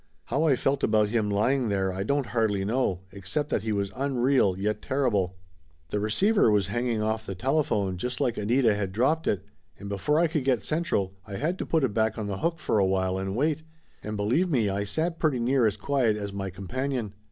How I felt about him lying there I don't hardly know, ex cept that he was unreal yet terrible. Laughter Limited 303 The receiver was hanging off the telephone just like Anita had dropped it, and before I could get Central I had to put it back on the hook for a while and wait, and believe me I sat pretty near as quiet as my com panion.